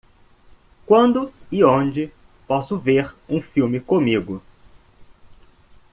Quando e onde posso ver um filme comigo?